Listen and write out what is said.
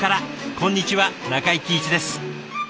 こんにちは中井貴一です。